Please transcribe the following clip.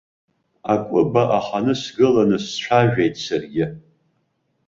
Акәыба аханы сгыланы сцәажәеит саргьы.